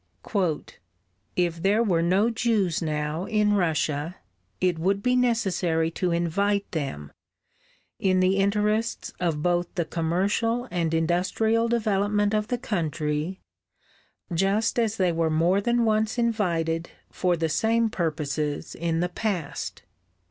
"If there were no Jews now in Russia, it would be necessary to invite them, in the interests of both the commercial and industrial development of the country, just as they were more than once invited for the same purposes in the past."